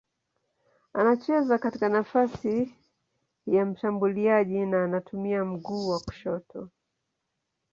Anacheza katika nafasi ya mshambuliaji na anatumia mguu wa kushoto.